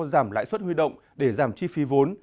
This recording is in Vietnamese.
giảm lãi suất huy động để giảm chi phí vốn